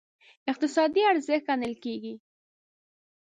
اقتصادي ارزښت ګڼل کېږي.